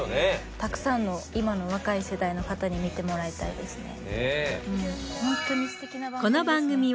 たくさんの今の若い世代の方に見てもらいたいですね。